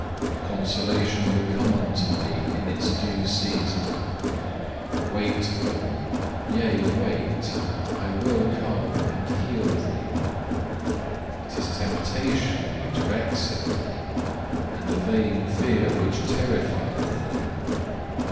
Consolation will come unto thee in its due season. Wait for Me; yea, wait; I will come and heal thee. It is temptation which vexeth thee, and a vain fear which terrifieth thee.